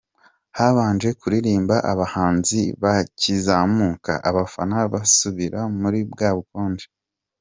Habanje kuririmba abahanzi bakizamuka, abafana basubira muri bwa bukonje.